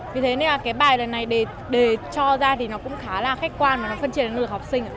vì thế nên là cái bài này để cho ra thì nó cũng khá là khách quan và nó phân triển được học sinh